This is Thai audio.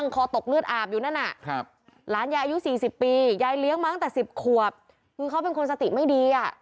คือเขาเป็นคนสติไม่ดี